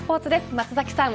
松崎さん